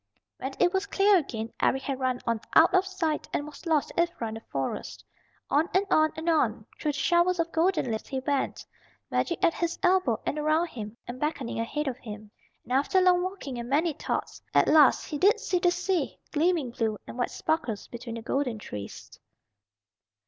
When it was clear again Eric had run on out of sight, and was lost to Ivra in the Forest. On and on and on through the showers of golden leaves he went, magic at his elbow and around him, and beckoning ahead of him. And after long walking and many thoughts, at last he did see the sea, gleaming blue and white sparkles between the golden trees.